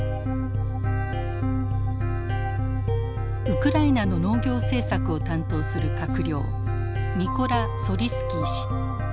ウクライナの農業政策を担当する閣僚ミコラ・ソリスキー氏。